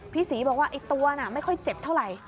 พี่ศรีบอกว่าไอ้ตัวน่ะไม่ค่อยเจ็บเท่าไหร่